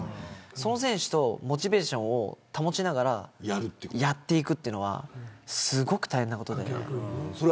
その選手とモチベーションを保ちながらやっていくというのはすごく大変なことです。